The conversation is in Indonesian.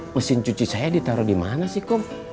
mesin cuci saya ditaruh di mana sih kom